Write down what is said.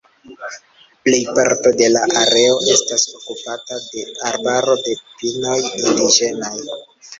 Plejparto de la areo estas okupata de arbaro de pinoj indiĝenaj.